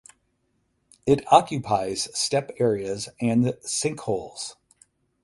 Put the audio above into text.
It occupies steppe areas and sinkholes.